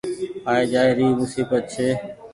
آئي جآئي موسيبت ڇي۔